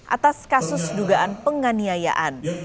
atas kasus dugaan penganiayaan